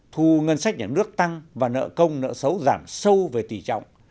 thu ngân sách nhà nước tăng và nợ công nợ xấu giảm sâu về tỷ trọng